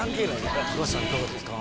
橋さんいかがですか？